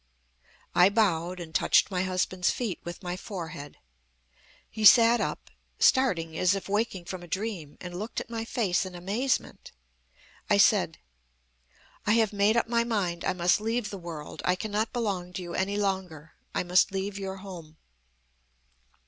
"I bowed, and touched my husband's feet with my forehead. He sat up, starting as if waking from a dream, and looked at my face in amazement. I said: "'I have made up my mind. I must leave the world. I cannot belong to you any longer. I must leave your home.'